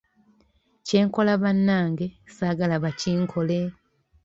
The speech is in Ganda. Kyenkola bannange saagala bakinkole.